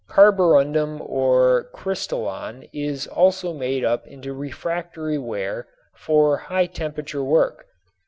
Carborundum or crystolon is also made up into refractory ware for high temperature work.